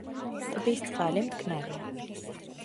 ტბის წყალი მტკნარია.